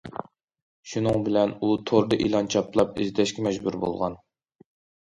شۇنىڭ بىلەن ئۇ توردا ئېلان چاپلاپ ئىزدەشكە مەجبۇر بولغان.